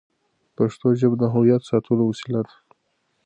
پښتو ژبه د هویت ساتلو وسیله ده.